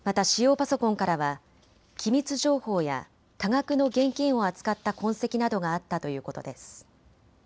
パソコンからは機密情報や多額の現金を扱った痕跡などがあったということです。